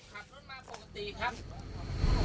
ขับรถมาปกติครับ